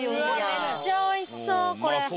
めっちゃおいしそう、これ。